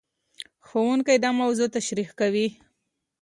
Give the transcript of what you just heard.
ښوونکي دا موضوع تشريح کوي.